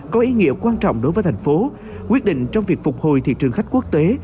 có ý nghĩa quan trọng đối với thành phố quyết định trong việc phục hồi thị trường khách quốc tế